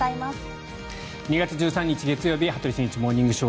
２月１３日月曜日「羽鳥慎一モーニングショー」。